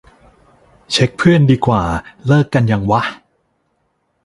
เช็คเพื่อนดีกว่า เลิกกันยังวะ